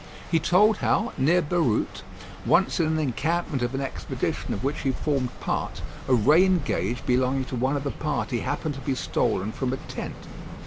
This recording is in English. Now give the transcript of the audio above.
He told how, near Beyrout, once in an encampment of an expedition of which he formed part, a rain gauge belonging to one of the party happened to be stolen from a tent.